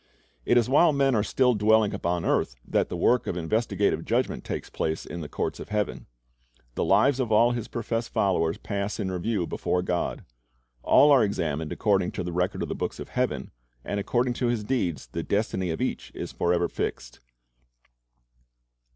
It is while men are still dwelling upon the earth that the work of investigative judgment takes place in the courts of heaven. The lives of all His professed followers pass in review before God. All are examined according to the record of the books of heaven, and according to his deeds the destiny of each is forever fixed.